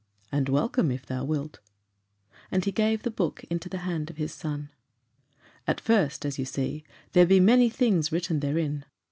"And welcome, if thou wilt;" and he gave the book into the hand of his son. "At first, as you see, there be many things written therein.